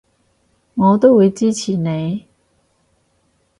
我都會支持你